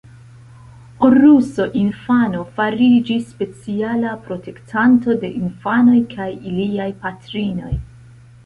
Horuso infano fariĝis speciala protektanto de infanoj kaj iliaj patrinoj.